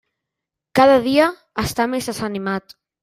Cada dia està més desanimat.